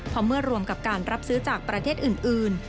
เพราะเมื่อรวมกับการรับซื้อจากประเทศอื่น